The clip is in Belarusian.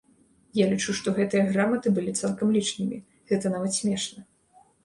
Я лічу, што гэтыя граматы былі цалкам лішнімі, гэта нават смешна.